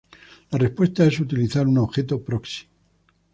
La respuesta es utilizar un objeto "proxy".